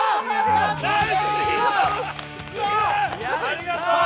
ありがとう！